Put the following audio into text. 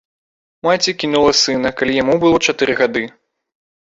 Маці кінула сына, калі яму было чатыры гады.